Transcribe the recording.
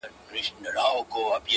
o نن والله پاك ته لاسونه نيسم ـ